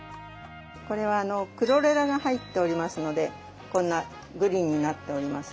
これはクロレラが入っておりますのでこんなグリーンになっております。